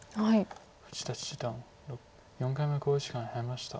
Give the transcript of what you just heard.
富士田七段４回目の考慮時間に入りました。